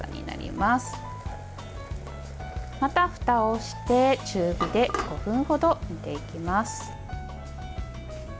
また、ふたをして中火で５分ほど煮ていきます。